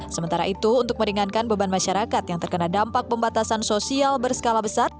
sementara itu untuk meringankan beban masyarakat yang terkena dampak pembatasan sosial berskala besar